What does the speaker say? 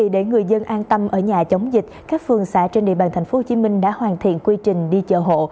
để người dân an tâm ở nhà chống dịch các phường xã trên địa bàn tp hcm đã hoàn thiện quy trình đi chợ hộ